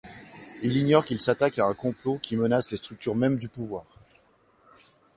Il ignore qu'il s'attaque à un complot qui menace les structures mêmes du pouvoir.